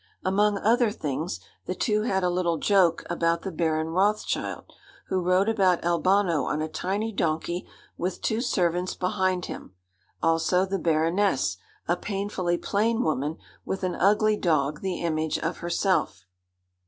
Among other things, the two had a little joke about the Baron Rothschild, who rode about Albano on a tiny donkey with two servants behind him; also the Baroness, a painfully plain woman, with an ugly dog the image of herself.